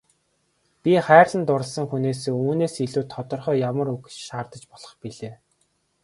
Би хайрлан дурласан хүнээсээ үүнээс илүү тодорхой ямар үг шаардаж болох билээ.